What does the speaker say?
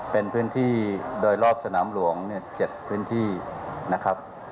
เป็นพื้นที่โดยรอบสนามหลวง๗พื้นที่นะครับ